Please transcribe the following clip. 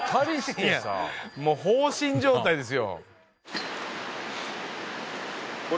いやもう放心状態ですよ。